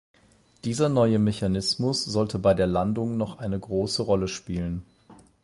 Dieser neue Mechanismus sollte bei der Landung noch eine große Rolle spielen.